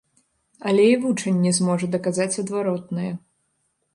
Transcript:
Але і вучань не зможа даказаць адваротнае.